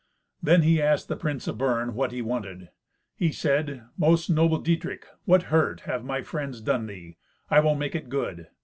Then he asked the Prince of Bern what he wanted. He said, "Most noble Dietrich, what hurt have my friends done thee? I will make it good.